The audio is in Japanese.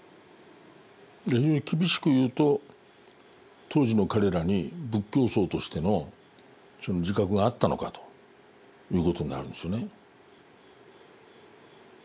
非常に厳しく言うと当時の彼らに仏教僧としてのその自覚があったのかということになるんですよね。